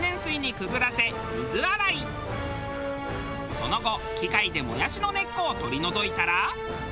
その後機械でもやしの根っこを取り除いたら。